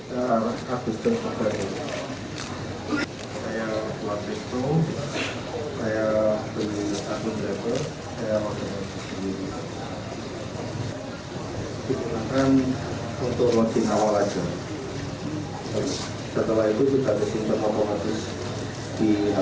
dikatakan untuk wajib awal saja setelah itu kita disimpan